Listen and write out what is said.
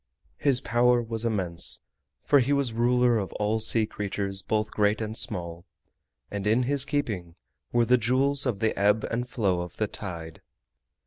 His power was immense, for he was the ruler of all sea creatures both great and small, and in his keeping were the Jewels of the Ebb and Flow of the Tide.